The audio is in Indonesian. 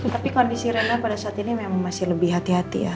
tapi kondisi rena pada saat ini memang masih lebih hati hati ya